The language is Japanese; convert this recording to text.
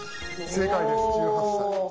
正解です１８歳。